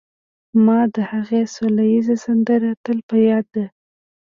ما د هغې سوله ييزه سندره تل په ياد ده